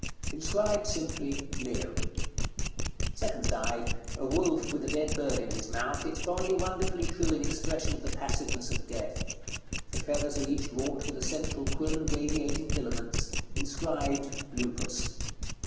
Inscribed simply, "LEO." Second side. A wolf with a dead bird in his mouth, its body wonderfully true in expression of the passiveness of death. The feathers are each wrought with a central quill and radiating filaments. Inscribed "LUPUS."